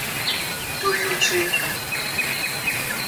Tuiuti